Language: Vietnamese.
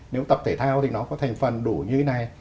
nếu tập thể thao thì nó có thành phần đủ như thế này